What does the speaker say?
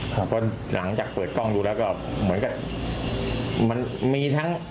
เพราะหลังจากเปิดกล้องดูแล้วก็เหมือนกับมันมีทั้ง